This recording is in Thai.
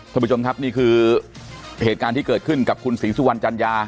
ท่านผู้ชมครับนี่คือเหตุการณ์ที่เกิดขึ้นกับคุณศรีสุวรรณจัญญา